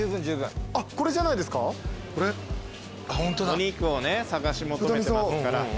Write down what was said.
お肉をね探し求めてますから。